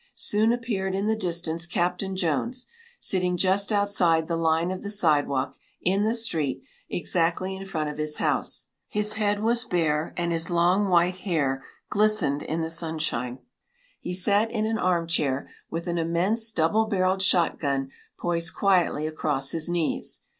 Soon appeared in the distance Captain Jones, sitting just outside the line of the sidewalk, in the street, exactly in front of his house. His head was bare, and his long white hair glistened in the sunshine. He sat in an arm chair, with an immense double barrelled shotgun poised quietly across his knees.